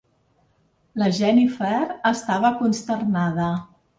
La Jennifer estava consternada.